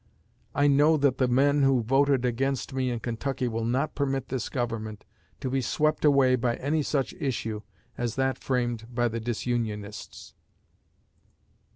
I know that the men who voted against me in Kentucky will not permit this Government to be swept away by any such issue as that framed by the disunionists."